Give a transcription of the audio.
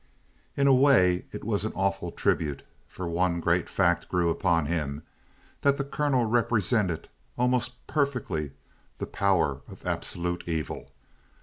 9 In a way, it was an awful tribute, for one great fact grew upon him: that the colonel represented almost perfectly the power of absolute evil.